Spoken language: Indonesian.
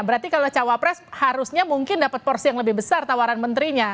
berarti kalau cawapres harusnya mungkin dapat porsi yang lebih besar tawaran menterinya